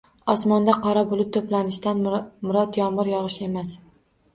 Osmonda qora bulut to’planishidan murod yomg’ir yog’ishi emas